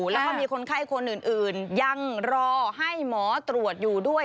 แล้วก็มีคนไข้คนอื่นยังรอให้หมอตรวจอยู่ด้วย